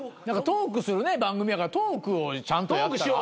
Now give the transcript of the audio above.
トークする番組やからトークをちゃんとやったら？